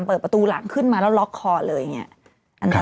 เปิดประตูหลังขึ้นมาแล้วล็อกคอเลยเนี่ย